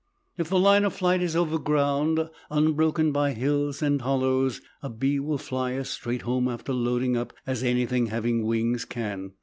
If the line of flight is over ground unbroken by hills and hollows, a bee will fly as straight home after loading up as anything having wings can.